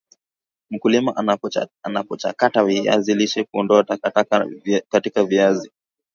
mkulima anapochakata viazi lishe Kuondoa takataka katika viazi